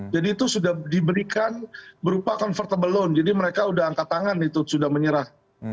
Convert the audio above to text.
jadi itu sudah diberikan berupa convertable loan jadi mereka sudah angkat tangan sudah menyerah